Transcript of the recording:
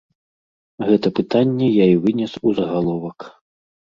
Гэта пытанне я і вынес у загаловак.